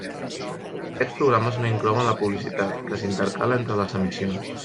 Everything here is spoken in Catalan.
Aquests programes no inclouen la publicitat, que s'intercala entre les emissions.